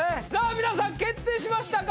みなさん決定しましたか？